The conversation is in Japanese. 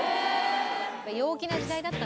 陽気な時代だった。